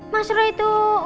mas rai itu